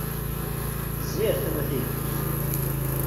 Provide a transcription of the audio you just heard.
Zzi ar tama tayeffust!